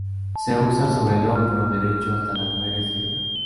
Se usa sobre el hombro derecho hasta la cadera izquierda.